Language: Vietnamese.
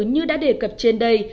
như đã đề cập trên đây